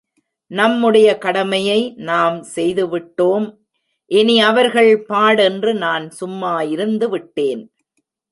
நம்முடைய கடமையை நாம் செய்துவிட்டோம் இனி அவர்கள் பாடென்று நான் சும்மா இருந்துவிட்டேன்.